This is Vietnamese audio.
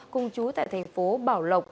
cùng chú tại thành phố bảo lộc